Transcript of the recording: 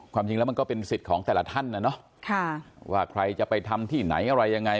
ความจริงแล้วมันก็เป็นสิทธิ์ของแต่ละท่านนะเนาะว่าใครจะไปทำที่ไหนอะไรยังไง